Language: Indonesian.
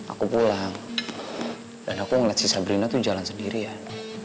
aku pulang dan aku ngeliat si sabrina tuh jalan sendirian